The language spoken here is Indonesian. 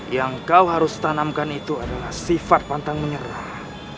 yang kau harus tanamkan itu adalah sifat pantang menyerah